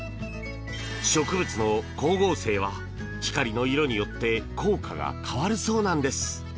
植物の光合成は光の色によって効果が変わるそうなんです。